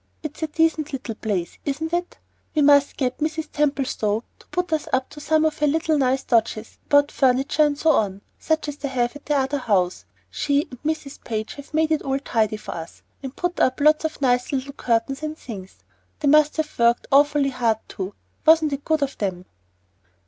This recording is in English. It's a decent little place, isn't it? We must get Mrs. Templestowe to put us up to some of her nice little dodges about furniture and so on, such as they have at the other house. She and Mrs. Page have made it all tidy for us, and put up lots of nice little curtains and things. They must have worked awfully hard, too. Wasn't it good of them?"